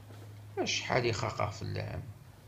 Acḥal i xaqeɣ fell-am!